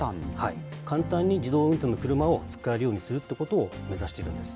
簡単に自動運転の車を使えるようにするということを目指しているんです。